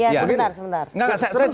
iya sebentar sebentar